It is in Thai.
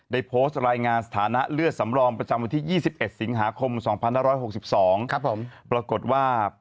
ได้โพสต์รายงานสถานะเลือดสำรองประจำวันที่๒๑สิงหาคม๒๕๖๒ปรากฏว่า